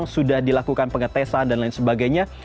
sudah dilakukan pengetesan dan lain sebagainya